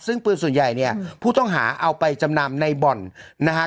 ซึ่งปืนส่วนใหญ่เนี่ยผู้ต้องหาเอาไปจำนำในบ่อนนะฮะ